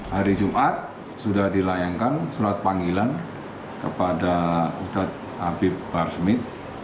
hari jumat sudah dilayangkan surat panggilan kepada ustadz habib bahar smith